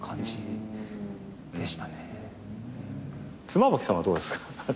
妻夫木さんはどうですか？